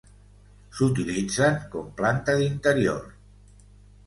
S'utilitzen com planta d'interior.